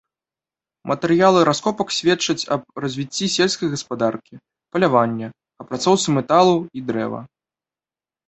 Матэрыялы раскопак сведчаць аб развіцці сельскай гаспадаркі, палявання, апрацоўцы металу і дрэва.